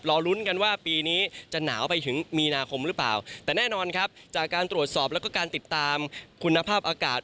รอลุ้นกันว่าปีนี้จะหนาวไปถึงมีนาคมหรือเปล่าแต่แน่นอนครับจากการตรวจสอบแล้วก็การติดตามคุณภาพอากาศ